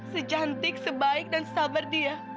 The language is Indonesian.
sejantik sebaik dan sabar dia